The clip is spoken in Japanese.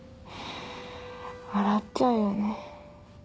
笑っちゃうよね。